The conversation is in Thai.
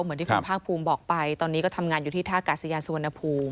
เหมือนที่คุณภาคภูมิบอกไปตอนนี้ก็ทำงานอยู่ที่ท่ากาศยานสุวรรณภูมิ